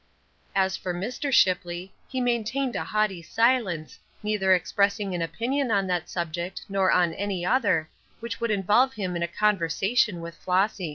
As for Mr. Shipley, he maintained a haughty silence, neither expressing an opinion on that subject nor on any other, which would involve him in a conversation with Flossy.